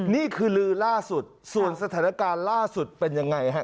นี่คือลือล่าสุดส่วนสถานการณ์ล่าสุดเป็นยังไงฮะ